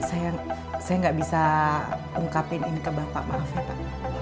saya nggak bisa ungkapin ini ke bapak maaf ya pak